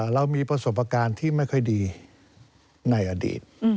เรามีประสบการณ์ที่ไม่ค่อยดีในอดีต